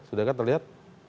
sudah kan terlihat